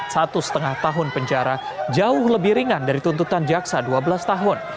satu setengah tahun penjara jauh lebih ringan dari tuntutan jaksa dua belas tahun